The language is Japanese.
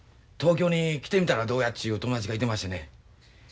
東京に来てみたらどうやちゅう友達がいてましてね。